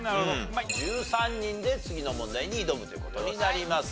１３人で次の問題に挑むという事になります。